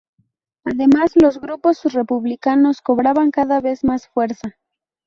Además, los grupos republicanos cobraban cada vez más fuerza.